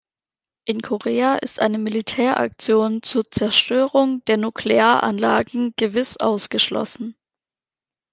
In Korea ist eine Militäraktion zur Zerstörung der Nuklearanlagen gewiss ausgeschlossen.